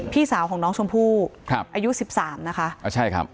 พี่สาวของน้องชมพู่อายุ๑๓นะคะ